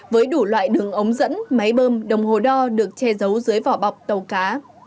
với đủ loại đường ống dẫn máy bơm đồng hồ đo được che giấu dưới vỏ bọc tàu cá